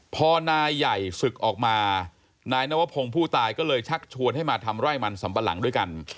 พอนายใหญ่ศึกออกมานายนวพงศ์ผู้ตายก็เลยชักชวนให้มาทำไร่มันสัมปะหลังด้วยกัน